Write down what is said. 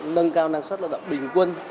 nâng cao năng suất lao động bình quân